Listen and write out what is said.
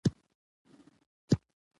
د دوستانو احترام زما وجیبه ده.